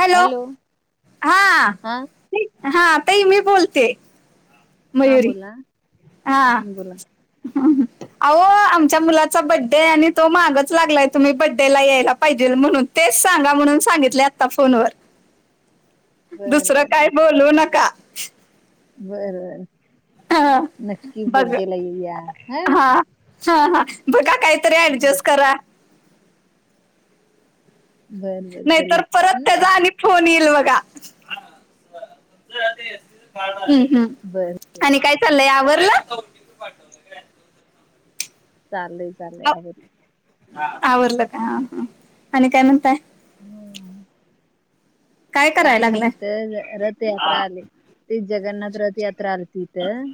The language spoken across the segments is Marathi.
हॅलो हा हा नाही हा ताई मी बोलतेय हा बोला हा ह हम्म बोला [unintelligible] अहो आमच्या मुलाचा बडे आहे आणि तो मागेच लागलाय तुम्ही बडेला यायला पाहिजे म्हणून तेच सांगा म्हणून सांगितले आता फोनवर बर दुसरं बर काय बर बोलू नका बर हा, नक्की बघ बडेला येऊया हा हा हा बघा काहीतरी हं, ऍडजेस्ट करा बर बर नाही तर करेल परत हम्म त्याचा आणि फोन येईल बघा [unintelligible] ह ह बरं अ आणि काय चाललंय आवरल ति पाठवलेली आणि आली चाले चाले आवरले हा आवरल का हा हा आणि काय म्हणताय होम ह ह [unintelligible] कराय काय नाही लागलाय ईथ र रथयात्रा आली ते जगन्नाथ रथ यात्रा आलती ईथं अ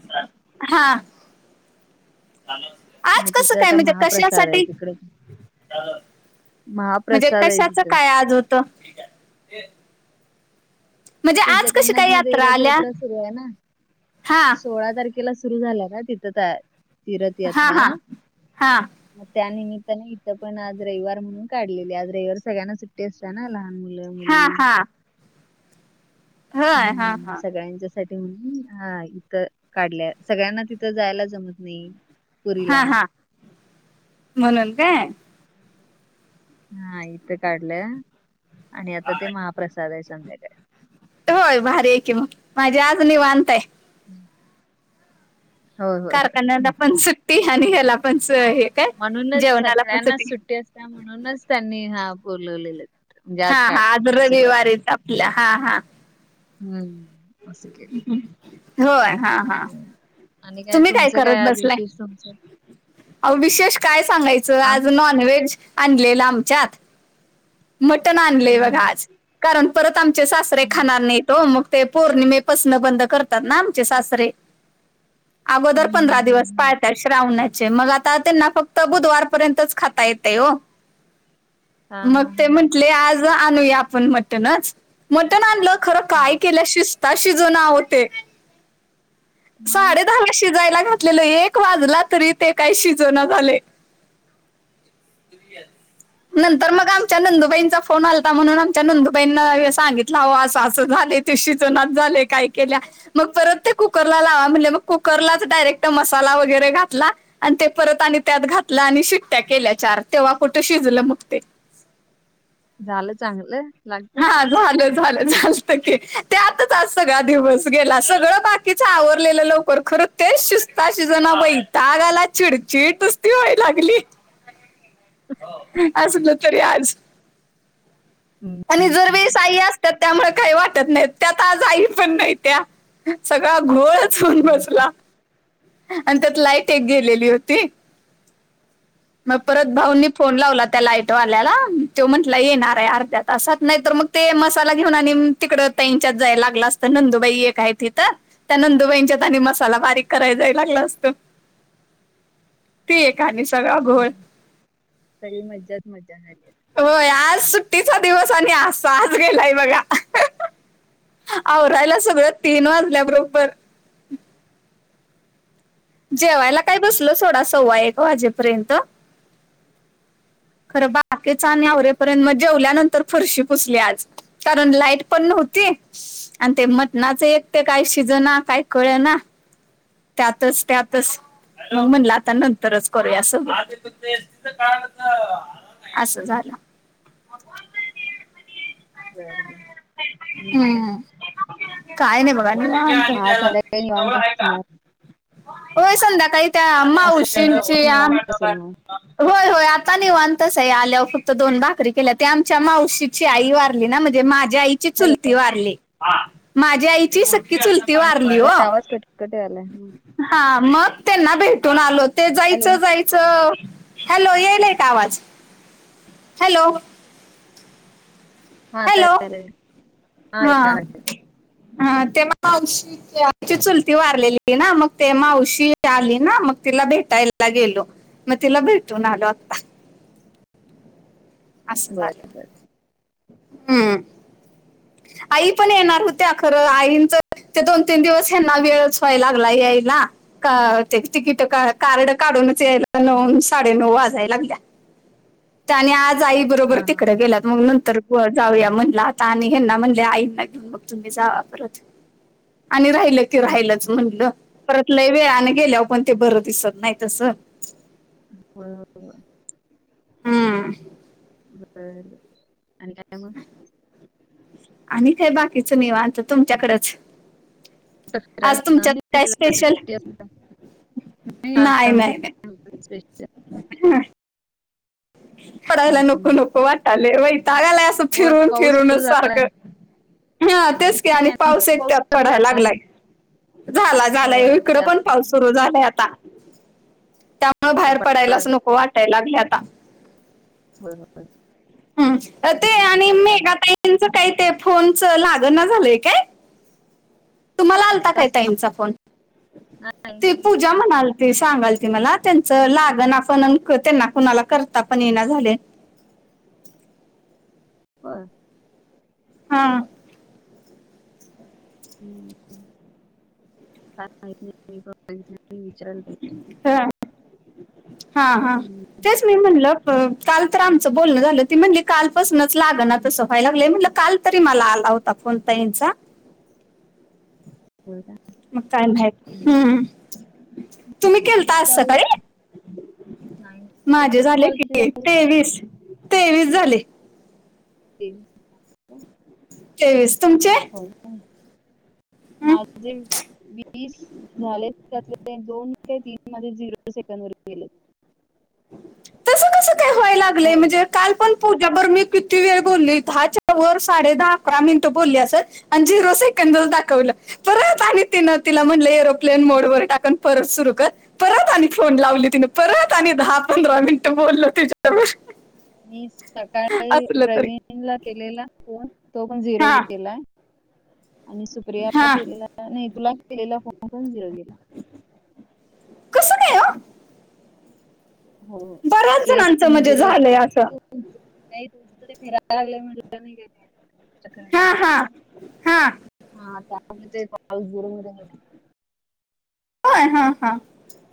हा [unintelligible] आज मग कसं तिथं काय आता म्हणजे महाप्रसाद आहे कशासाठी तिकडे [unintelligible] म्हणजे महाप्रसाद आहे कशाच तिथं काय आज होतं. म्हणजे ती आज कशी जगन्नाथ काय मध्ये रथ आल्या यात्रा सुरू आहे ना हा सोळा तारखेला तिला सुरु झालाय ना तिथ जायचं हा तीरथयात्रा हा हा मग त्यानिमित्ताने इथं पण आज रविवार म्हणून काढलेली आज रविवार सगळ्यांना सुट्टी असतताना लहान मुलाना लय हा मुली हा होय हा हम्म हा सगळ्यांच ण हाय इथ काढल्या सगळ्यांना तिथं जायला जमत नाही. पुरीला हा हा म्हणून काय? हा इथं काढलिया आणि आता ते माप प्रसाद आहे संध्याकाळी होय भारी आहे की मग माझी आज निवांत आहे. हम्म कारखान्याला पण सुट्टी आणि ह्याला पण सुट्टी हे आहे. म्हणूनच सगळ्यांना सुट्टी असते म्हणूनच त्यांनी हा बोलवलेल. हा हा आज रविवारीच आपल्या हा हा हम्म असं केलं होय हा हा बरं. आणि तुम्ही काय तुमचं करत आज बसलाय. विशेष तुमचं ओ विशेष काय सांगायचं आज आम्ही नॉन व्हेज. आणलेलं आमच्यात मटण आणलेय बघा हम्म आज कारण परत आमच्यात आचे सासरे हं, हं, खाणार नाहीत ओ मग ते पौर्णिमेपासून बंद करतात ना आमचे सासरे. अगोदर हं, पंधरा दिवस. हं. पाळतात श्रावणाचे मग आता त्यांना फक्त बुधवारपर्यंतच खाता येते हो. हां, मग हां, ते हां, हां. म्हंटले आज आणूया आपण मटणच मटण आणलो. खर काय हां. केल शिजता शिजना ते सा मग शिजायला घातलेलं एक वाजला तरी ते काही शिजण झालय. नंतर मग आण आमच्या नंदुबाईंचा फोन आलता म्हणून आमच्या नंदूबाईंना हे सांगितल हो असं असं झालय. शिजना झालय काय केल्या मग परत ते कुकरला लावा म्हणले मग कुकरलाच डायरेक्ट मसाला वगैरे घातला. आणि ते परत आणि त्यात घातलं आणि शिट्ट्या केल्या चार तेव्हा कुठ शिजलं मग ते झालं चांगलं लागत. हा झालं झालं झालंत ते त्यातच आज सगळा दिवस गेला सगळं बाकी तिच आवरलेलं लवकर खरं तेच शिजता शिजना बाई त्यावेळेला चिडचिड ती रडायला लागली असल तरी आज. हं. आणि जर वेळ साई अस. त्यामुळे काही वाटत नाही त्यात आज आई पण नाही त्या सगळ घोळ. सून हं, बसला आणि त्यात लाईट एक गेलेली होती. मग परत भाऊंनी फोन लावला त्या लाईटवाल्याला तो म्हटला येणार आहे अर्ध्यात तासात नाही तर मग ते मसाला घेऊन आणि तिकडं ताईंच्यात जायला लागला असतं नंदूबाई एक आहे तिथं. त्या नंदुबाईंच्या आणि मसाला बारीक करायला जायला लागला असत. ते ए आणि खरी मज्जाच मजा झाली आहे. होय आज सुट्टीचा दिवस आणि अस आज गेलाय बघा. आवरायला सगळं तीन वाजल्याबरोबर जेवायला काय बसल सोडा सव्वा एक वाजेपर्यंत खरं बाकी आवरेपर्यंत मग जेवल्यानंतर फरशी पुसली आज. कारण लाईट पण नव्हती. आणि ते मटणाचं एक ते काय शिजना काय कळे ना त्यातच त्यातच मंग मनला तनांत रच कोर्यास- असं झालं. बर बर. हम्म काय नाही बघा मग निवांत. आज संध्याकाळी निवांत असणार. होय संध्याकाळी त्या आज माउशींची संध्याकाळी आ निवांत असेल मग. होय होय आता निवांताच आहे आल्या फक्त दोन भाकरी केल्या ते आमच्या मावशीची आई वार ण मजे मजा आईची हॅलो. सुलाती वर्ली हां माझा आई चि सखी की चुलती हां, वारली ओ. जरा आवाज कटकट यायलाय. हं. हा मग त्यांना भेटून आलो ते हॅलो. जायचं जायच च हॅलो येईलय का आवाज हॅलो हॅलो हा [unintelligible] हा तेव्हां मावशी ते आमची चुलती वारलेली ना मग ते मावशी इथे आली ना मग तिला भेटायला गेलो. म तिला भेटून आलो आता. असं झाल. बरं, बरं. हम्म आई पण येणार होत्या अ खरं आईंच ते दोन तीन दिवस हना वेळच व्हाय लागला आहे यायला. का ते तिकिट कार्ड काढूनच यायला नऊ साडेनऊ वाजायला लागल्या. आणि आज आई बरोबर हां, हां. तिकड गेलात मग नंतर व जाऊया म्हणला आता आणि हेना म्हणले आईंना घेऊन बग तुम्ही जावा परत. आणि राहिलं की हं. राहिलंच म्हटलं परत ल वेळने गेल्यावर पण ते बरं दिसत नाही तसं. [unintelligible] हम बर आणि काय मग? आणि काय बाकीचं नीवांत तुमच्याकडच. काय स्पेशल [unintelligible] नाही नाही नाही [unintelligible] [unintelligible] पडायला हं. नको नको वाटाले वैताागलाय असं होय, फिरून पाऊस सुरू फिरूनच झालाय. सारखं हा तेच का नाही आणि पाऊस एक त्यात सुरू पडायला झालाय लागलाय. झाला झालंय होय इकडं पण पाऊस त्यामुळं सुरू झालाय आता. न बाहेर वाटायला पडायलाच लागलंय. नको वाटायला लागलंय आता. [unintelligible] ह् ते तेच ना आणि वाटायला लागलंय. मेघा ताईंच काही ते फोनच लाग ना झालंय काय? तुम्हाला आलता काय काही ताईंचा सांगू फोन? नाही ते पूजा म्हणाल त सांगाल त मला त्यांचं लागण आपणक त्यांना कणाला करता पण येना झाले. बरं. हा. [unintelligible] ह हा हा. हम्म. तेच मी म्हणलं काल तर आमचं बोलणं झालं ती म्हणली कालपासूनच लाग ना तसं व्हाय लागलं म्हटलं काल तरी मला आला होता फोण ताईनचा होय का मग काय भट हम्म तुमचे तुम्ही मग किती केलता आज कॉल झाले सकाळी? नाही माझे तुमचे झाले कॉल किती की तेवीस तेवीस झाले. ते तेवीस तुमचे? हो हं? माझे वीस झाले त्यात ते दोन ते तीन मध्ये झिरो सेकड वर गेले. तसं कसं काय व्हाय लागलेय होय म्हणजे काल पण पूज्याभर मी किती वेळ बोलली दहाच्या वर साडे दहा अकरा मिनिटं बोलली असच. आणि झिरो सेकंड च दाखवलं. परत आणि तिनं तिला म्हटलं एरोप्लेन मोडवर टाकून परत सुरू कर. परत आणि फोन लावली तिने परत आणि दहा पंधरा मिनिटं बोललो तिच्याबर. मी सकाळी प्रवीण ला केलेला फोन तो पण झिरो हा गेलाय. आणि सुप्रियाला हा केलेला नाही तुला केलेला फोन पण झरोे कस काय ओ? हो ते जणांचं तुम्ही म्हणजे देरोज झालंय [unintelligible] असं तु नाही तुम फिरायला लागलं म्हलं नाही ग च [unintelligible] हा हा हा हा त्या पा जररला [unintelligible] होय हा हा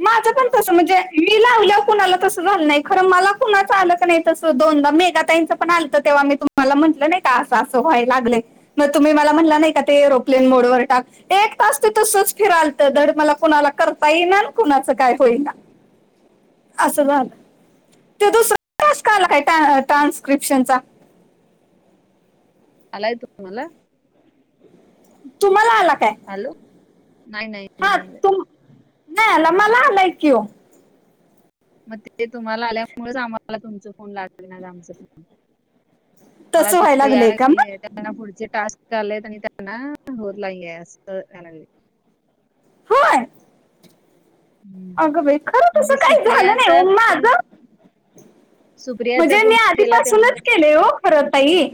माझं पण तसं दोघांचं म्हणजे मी लावल्यावर कुणाला तसं झालं नाही. खरं मला कुणाच आलं की नाही तसं दोनदा मेगा ताईचं पण आलंत तेव्हा मी तुम्हाला म्हंटलं नाही का असं असं व्हाय लागलंय. मग तुम्ही मला म्हणला नाही का ते एरोप्लेन मोडवर टाक एक तास ते तसच फिरालतं दर मला कुणाला करता येईना आणि कुणाचं काय होईना. असं झालं. ते दुसर टाक्स आला काय टानस ट्रान्स्क्रिप्शनचा. आलाय तुम्हाला? तुम्हाला आला काय? हॅलो नाही नाही हा नाही आलं तुम नाही आला मला आलाय की ओ. मग ते तुम्हाला आल्यामुळेच आम्हाला तुमचा फोन लागेना आमचा फोन. मला तसं व्हायला तिथं लागलंय यायला का मग गे त्यांना पुढचे टास्क कालेत आणि त्यांना होत नाहीे अस यायला. होय अगं बाई खरं म्हणजे तसं काही झालं नाही सुप्रियाचा ओ फोन माझं सुप्रियाचा म्हणजे मी फोन केला तेव्हा आधीपासूनच तर केले कसा हो परत ताई.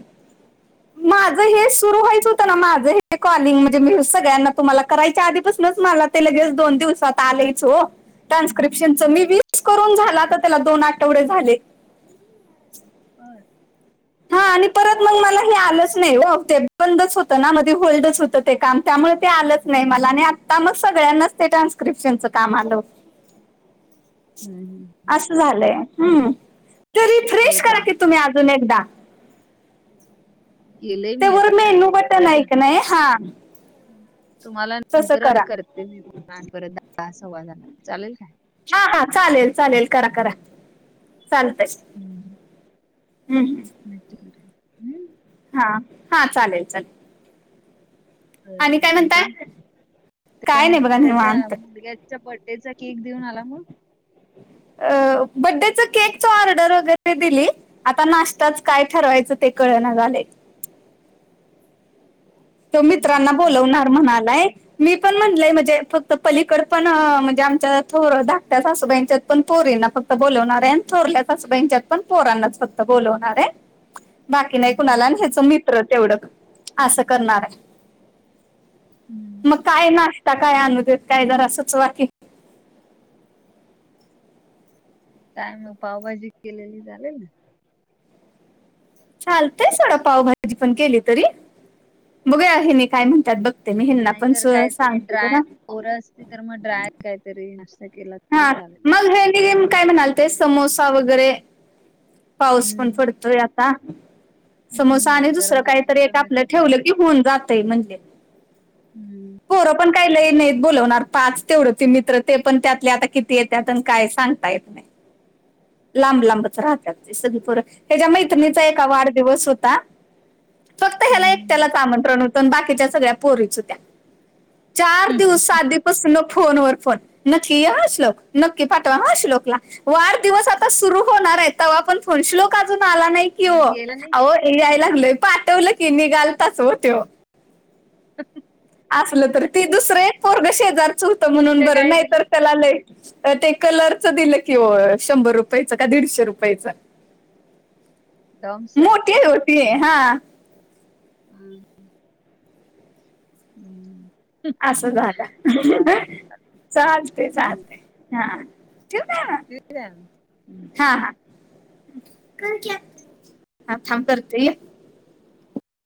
माझं हे सुरू व्हायच होतं ना माझं हे कॉलिंग म्हणजे मी सगळ्यांना तुम्हाला करायच्या आधीपासूनच मला ते लगेच दोन दिवसात आलयच ओ. ट्रान्स्क्रिप्शनच मी वीस करून झाला तर त्याला दोन आठवडे झाले. होय. हा आणि परत मग मला हे आलंच नाही ओ ते बंदच होतं ना मध्ये होल्डच होत. ते काम त्यामुळे ते आलंच नाही मला आणि आता मग सगळ्यांनाच ते ट्रान्स्क्रिप्शनचं काम आलं. हम्म. [inaudible] असं झालंय हम्म तरी फ्रेश होय करा चाल की तुम्ही अजून एकदा. केलंय ते मी वर आता मेनू बटन आहे बघूया का नाही हा तुम्हाला तसं नंतर आता करा करते. तुम्ही परत द सव्वा झा [unintelligible] चालेल काय? हा हा चालेल चालेल करा करा. चालतंय. हम्म. हम्. [unintelligible] हा हा चालेल चालेल. आणि काय म्हणताय? त्या काय नाही बघा त्याचा निवांत मुलग्याच्या बडेचा केक देऊन आला मग. अ बड्डेच केक च ऑर्डर वगैरे दिली. आता नाष्टाच काय ठरवायचं ते कळना झालंय. तो मित्रांना नाश्ता काय बोलवणार म्हणालाय मी पण म्हटलंय म्हणजे फक्त पलीकड पण म्हणजे आमच्या थोर धाकट्या सासूबाईंच्यात पण पोरी ना फक्त फक्त बोलवणार आहे आणि थोरल्या सासूबाईच्यात पण पोरांनाच फक्त बोलवणार आहे. बाकी नाही कुणाला आणि त्याच मित्र तेवढं असं करणार आहे. हम्म. मग काय नाश्ता काय अनूदेत काय जरा सुचवा की काय मग पावभाजी केलेली चालेल? चालतय सोडा पावभाजी पण केली तरी, बघुया ह्यनी काय म्हणतात बघ ते मी ह्यंना पण नाहीतर स काहीतरी सांगते ड्राय जरा पोरं असतील तर मग ड्राय कायतरी नाशता केला. तरी हा चालेल मग ह्यंनि काय म्हणाल ते समोसा वगैरे, पाऊस हम्म, पण पडतोय आता. समोसा आणि हम्म. गरम दुसरं गरम काहीतरी कुठं एक मिळत आपलं ठेवलं की हुऊन जातय म्हणले. हम्म! तो पण काही लय नाहीत बोलवणार, पाच तेवढ ते मित्र ते पण त्यात ते आता किती येत्यात आणि काय सांगता येत नाही. लांब लांबच राहत्यात ते सगळी पोर ह्यच्या चाल मैत्रिणीचा एका वाढदिवस होता, फक्त ह्याला एकट्यालाच हम्म. आमंत्रण होतं आणि बाकीच्या सगळ्या पोरीच होत्या, चार दिवस आधीपासून फोन वर फोन हश्लोक नक्की पाठवा ह श्लोकला. वाढदिवस आता सुरू होणार आहे, तव्हा पण फोन श्लोक अजून आला नाही कि ओ मग गेला नाही आओ याय लागलोय पाठवलं की निघालतच हो तेव ह [unintelligible] असलं तर ती दुसरं पोरगा शेजारचं होतं म्हणून गिफ्ट बरं, काय नाही दिलं तर त्याला लय ते कलरचं दिलं कि हो शंभर रुपयाचं, का दीडशे रुपयाचं डॉम्स मोठी आहेत ओ ती हा हम्! हम! असं झालं. चालते चालते -चालते हा ठेवू का मग? शम् [unintelligible] हा हा हा थांब- थांब करते